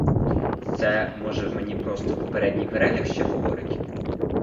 Це може в мені просто попередній переляк ще говорить.